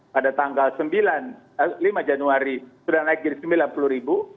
pada tanggal lima januari sudah naik jadi sembilan puluh ribu